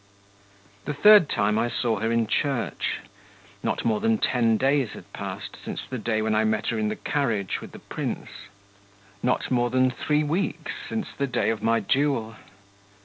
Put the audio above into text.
The third time I saw her in church. Not more than ten days had passed since the day when I met her in the carriage with the prince, not more than three weeks since the day of my duel.